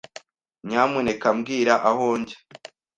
Nyamuneka mbwira aho njya.